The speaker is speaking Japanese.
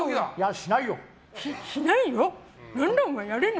しないの？